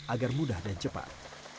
agar mudah dan cepat